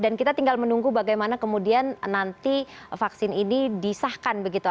dan kita tinggal menunggu bagaimana kemudian nanti vaksin ini disahkan begitu